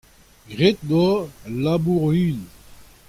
Graet o doa al labour o-unan.